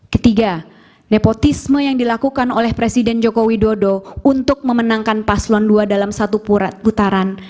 ketiga nepotisme yang dilakukan oleh presiden joko widodo untuk memenangkan paslon dua dalam satu purat putaran